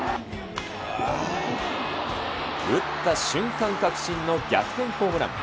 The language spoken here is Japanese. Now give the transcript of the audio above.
打った瞬間確信の逆転ホームラン。